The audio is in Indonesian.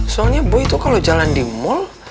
soalnya boy itu kalo jalan di mall